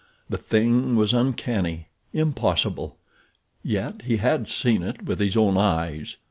The thing was uncanny—impossible; yet he had seen it with his own eyes.